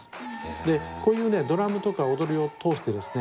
でこういうドラムとか踊りを通してですね